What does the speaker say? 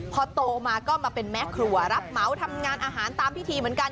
พอโตมาก็มาเป็นแม่ครัวรับเหมาทำงานอาหารตามพิธีเหมือนกัน